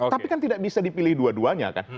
tapi kan tidak bisa dipilih dua duanya kan